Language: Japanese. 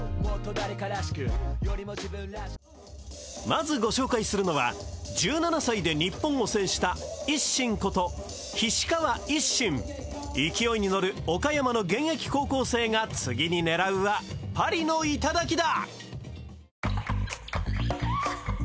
まずご紹介するのは１７歳で日本を制したＩＳＳＩＮこと菱川一心勢いに乗る岡山の現役高校生が次に狙うはパリの頂だ！